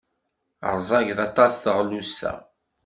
Rẓaget aṭas teɣlust-a.